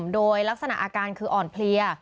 โดยลักษณะอาการคืออ่อนเพลีย